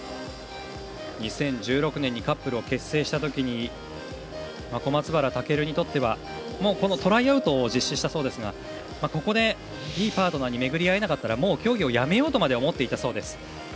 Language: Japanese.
２０１６年にカップルを結成したときに小松原尊にとってはトライアウトを実施したそうですがここで、いいパートナーに巡り会えなかったらもう競技をやめようとまで思っていたそうです。